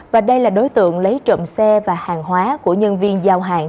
và đây là đối tượng lấy trộm xe và hàng hóa của nhân viên giao hàng